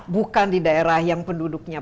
bukan di daerah yang penduduknya